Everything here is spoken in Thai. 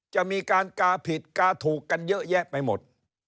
จะมีการกาผิดกาถูกกันเยอะแยะไปหมด